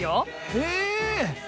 へえ！